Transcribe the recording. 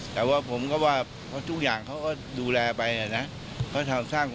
แต่ว่าผมก็ว่าเพราะทุกอย่างเขาก็ดูแลไปนะ